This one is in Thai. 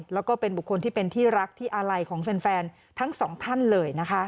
แล้วก็เป็นบุคคลที่เป็นที่รักที่อาลัยของแฟนทั้งสองท่านเลยนะคะ